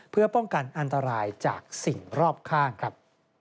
เพื่อป้องกันอันตรายจากสิ่งรอบข้างครับ